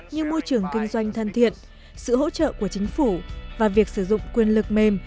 như môi trường kinh doanh thân thiện sự hỗ trợ của chính phủ và việc sử dụng quyền lực mềm